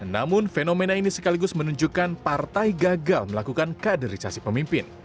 namun fenomena ini sekaligus menunjukkan partai gagal melakukan kaderisasi pemimpin